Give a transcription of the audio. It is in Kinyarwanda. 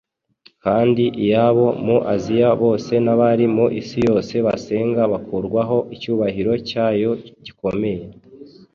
kandi iy’abo mu Asiya bose n’abari mu isi yose basenga yakurwaho icyubahiro cyayo gikomeye.